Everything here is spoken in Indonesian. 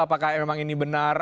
apakah memang ini benar